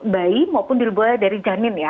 bayi maupun dilubuhi dari janin ya